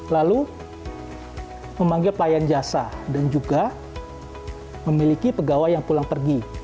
lalu memanggil pelayan jasa dan juga memiliki pegawai yang pulang pergi